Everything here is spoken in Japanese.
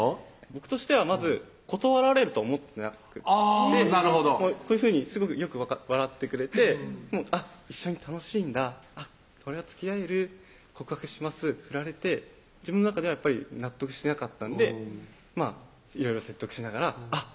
僕としてはまず断られると思ってなくてこういうふうにすごくよく笑ってくれて一緒に楽しんだこれはつきあえる告白します振られて自分の中ではやっぱり納得してなかったんでいろいろ説得しながらあっ